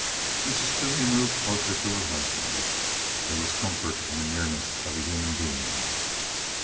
Mrs. Toomey moved closer to her husband. There was comfort in the nearness of a human being.